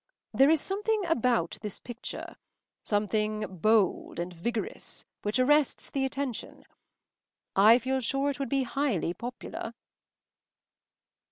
There is something about this picture—something bold and vigorous, which arrests the attention. I feel sure it would be highly popular.